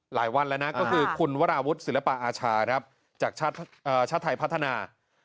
หลายวันแล้วนะก็คือคุณวราวุฒิศิลปะอาชาครับจากชาติไทยพัฒนา